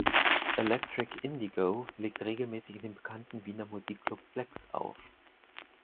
Electric Indigo legt regelmäßig in dem bekannten Wiener Musikclub "Flex" auf.